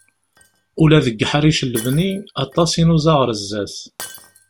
Ula deg uḥric n lebni, aṭas i nuẓa ɣar sdat.